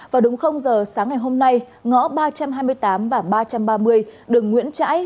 vào đúng giờ sáng ngày hôm nay ngõ ba trăm hai mươi tám và ba trăm ba mươi đường nguyễn trãi